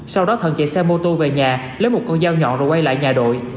sau đó thận chạy xe mô tô về nhà lấy một con dao nhọn rồi quay lại nhà đội